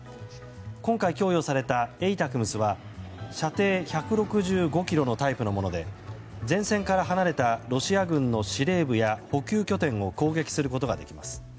今回供与されたＡＴＡＣＭＳは射程１６５ｋｍのタイプのもので前線から離れたロシア軍の司令部や補給拠点を攻撃することができます。